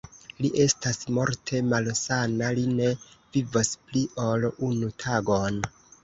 Li estas morte malsana, li ne vivos pli, ol unu tagon.